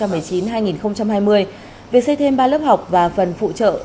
việc xây thêm ba lớp học và phần phụ trợ